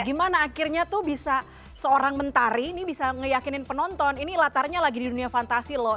gimana akhirnya tuh bisa seorang mentari ini bisa meyakinin penonton ini latarnya lagi di dunia fantasi loh